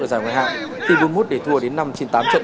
ở giải ngoại hạng thì bốn một để thua đến năm tám trận